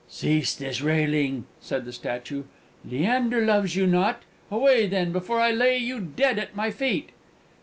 "Cease this railing!" said the statue. "Leander loves you not! Away, then, before I lay you dead at my feet!"